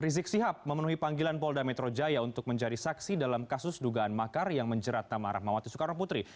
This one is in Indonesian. rizik sihab memenuhi panggilan polda metro jaya untuk menjadi saksi dalam kasus dugaan makar yang menjerat nama rahmawati soekarno putri